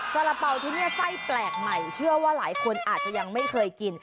สาระเป๋าที่นี่ไส้แปลกใหม่เชื่อว่าหลายคนอาจจะยังไม่เคยกิน